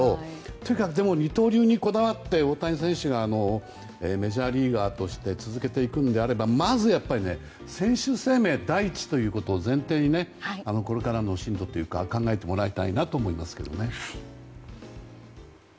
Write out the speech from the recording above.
とにかく二刀流にこだわって大谷選手がメジャーリーガーとして続けていくのであればまず選手生命第一というのを前提にこれからの進路というか考えてもらいたいなと思いますけどね。